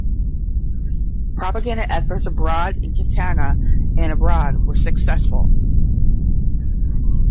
The propaganda efforts abroad in Katanga and abroad were successful.